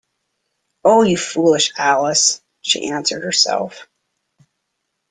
‘Oh, you foolish Alice!’ she answered herself.